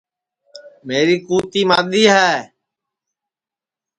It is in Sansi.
میری کُوتی مادؔی ہے